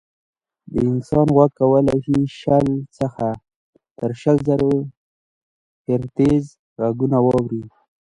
د انسان غوږ کولی شي شل څخه تر شل زره هیرټز غږونه واوري.